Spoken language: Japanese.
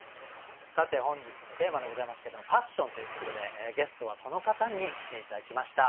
さて本日のテーマでございますけれども「ファッション」ということでゲストはこの方に来て頂きました。